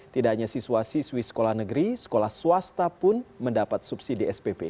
tidak hanya siswa siswi sekolah negeri sekolah swasta pun mendapat subsidi spp